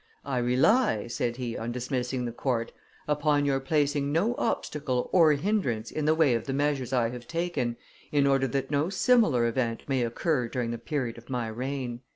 I rely," said he on dismissing the court, "upon your placing no obstacle or hinderance in the way of the measures I have taken, in order that no similar event may occur during the period of my reign."